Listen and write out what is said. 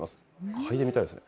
かいでみたいですね。